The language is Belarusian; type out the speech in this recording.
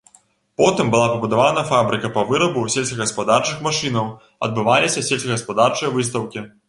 Потым была пабудавана фабрыка па вырабу сельскагаспадарчых машынаў, адбываліся сельскагаспадарчыя выстаўкі.